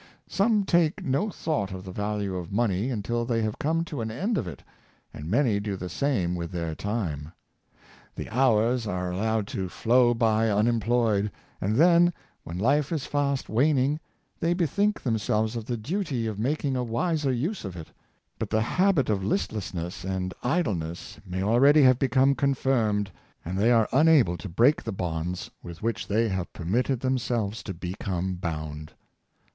Some take no thought of the value of money until they have come to an end of it, and many do the same with their time. The hours are allowed to flow by unemployed, and then, when life is fast waning, they bethink themselves of the duty of making a wiser use of it. But the habit of listlessness and idleness may already have become confirmed, and they are unable to break the bonds with which they have permitted themselves to become bound.